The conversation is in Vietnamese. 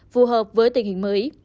phù hợp với tình hình mới